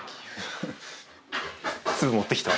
ツブ持ってきた？